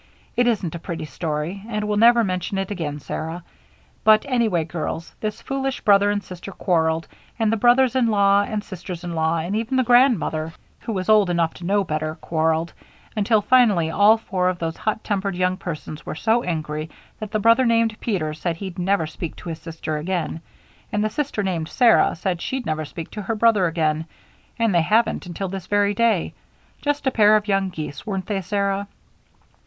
It isn't a pretty story, and we'll never mention it again, Sarah. But anyway, girls, this foolish brother and sister quarreled, and the brothers in law and sisters in law and even the grandmother, who was old enough to know better, quarreled, until finally all four of those hot tempered young persons were so angry that the brother named Peter said he'd never speak to his sister again, and the sister named Sarah said she'd never speak to her brother again and they haven't until this very day. Just a pair of young geese, weren't they, Sarah?"